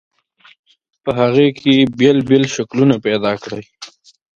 په هغې کې بېل بېل شکلونه پیدا کړئ.